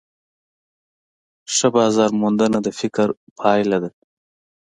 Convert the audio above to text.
ښه بازارموندنه د فکر پایله ده.